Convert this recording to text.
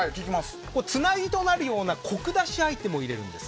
つなぎとなるようなコク出しアイテムを入れるんです。